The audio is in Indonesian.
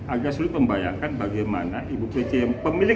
agak sulit membayangkan bagaimana ibu pece yang pemiliknya itu